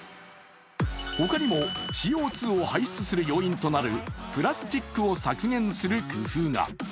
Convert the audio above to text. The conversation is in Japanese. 他にも、ＣＯ２を排出する要因となるプラスチックを削減する工夫が。